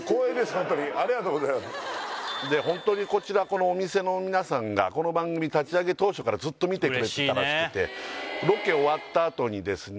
ホントにありがとうございますでホントにこちらこのお店の皆さんがこの番組立ち上げ当初からずっと見てくれてたらしくてうれしいね